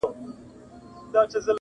له امیده یې د زړه خونه خالي سوه!!